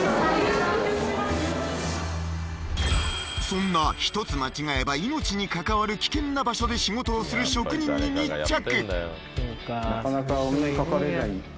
そんな一つ間違えば命に関わる危険な場所で仕事をする職人に密着